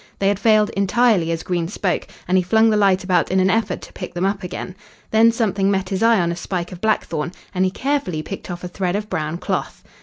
They had failed entirely as Green spoke, and he flung the light about in an effort to pick them up again. Then something met his eye on a spike of blackthorn, and he carefully picked off a thread of brown cloth.